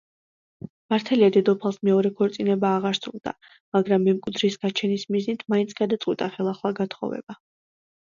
მართალია დედოფალს მეორე ქორწინება აღარ სურდა, მაგრამ მემკვიდრის გაჩენის მიზნით მაინც გადაწყვიტა ხელახლა გათხოვება.